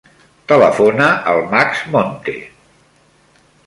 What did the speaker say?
Telefona al Max Monte.